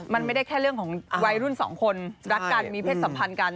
มันไม่ได้แค่เรื่องของวัยรุ่นสองคนรักกันมีเพศสัมพันธ์กัน